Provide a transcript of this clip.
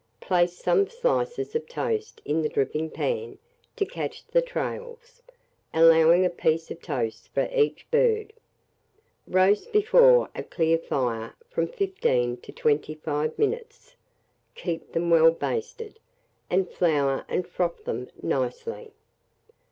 Place some slices of toast in the dripping pan to catch the trails, allowing a piece of toast for each bird. Roast before a clear fire from 15 to 25 minutes; keep them well basted, and flour and froth them nicely.